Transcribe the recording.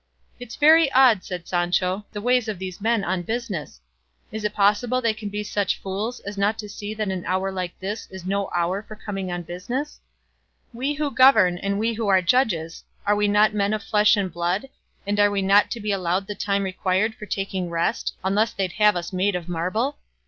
"It's very odd," said Sancho, "the ways of these men on business; is it possible they can be such fools as not to see that an hour like this is no hour for coming on business? We who govern and we who are judges are we not men of flesh and blood, and are we not to be allowed the time required for taking rest, unless they'd have us made of marble?